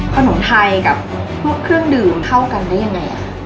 ขนมไทยกับพวกเครื่องดื่มเข้ากันได้ยังไง